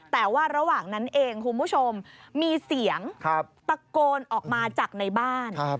แต่ว่าระหว่างนั้นเองคุณผู้ชมมีเสียงตะโกนออกมาจากในบ้าน